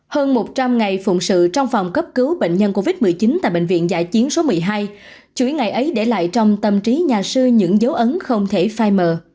hơn một trăm linh ngày phụng sự trong phòng cấp cứu bệnh nhân covid một mươi chín tại bệnh viện dạ chiến số một mươi hai chuỗi ngày ấy để lại trong tâm trí nhà sư những dấu ấn không thể phai mờ